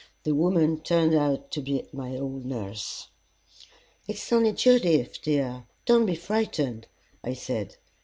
The woman turned out to be my old nurse. "It's only Judith, dear don't be frightened," I said.